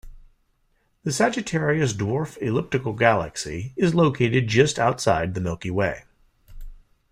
The Sagittarius Dwarf Elliptical Galaxy is located just outside the Milky Way.